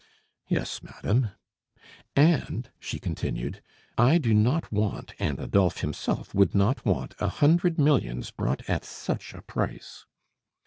"Yes, madame." "And," she continued, "I do not want, and Adolphe himself would not want, a hundred millions brought at such a price."